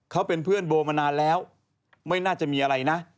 เขาเป็นเพื่อนโบมานานแล้วไม่น่าจะมีอะไรนะ